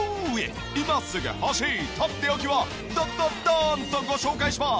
今すぐ欲しいとっておきをドンドンドンとご紹介します！